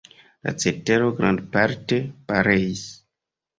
La cetero grandparte pereis.